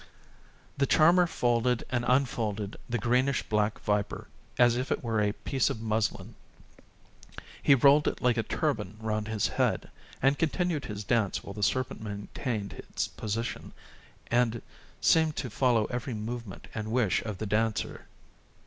The charmer folded and unfolded the greenish black viper, as if it were a piece of muslin; he rolled it like a turban round his head, and continued his dance while the serpent maintained its position, and seemed to follow every movement and wish of the dancer.